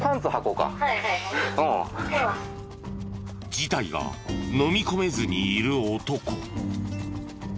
事態がのみ込めずにいる男。